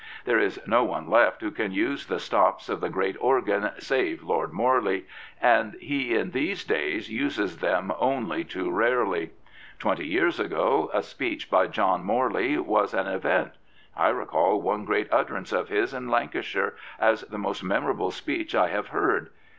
There is no one left who can use the stops of the great organ save Lord Morley, and he in these days uses them only too rarely. Twenty years ago a speech by John Morley was an event. I recall one great utterance of his in Lancashire as the most memorable speech I have heard.